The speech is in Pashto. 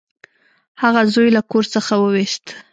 هغه زوی له کور څخه وویست.